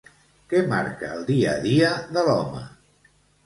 Què marca el dia a dia de l'home?